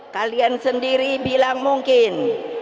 kalian sendiri bilang mungkin